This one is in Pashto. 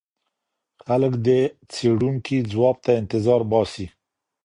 خلګ د څېړونکي ځواب ته انتظار باسي.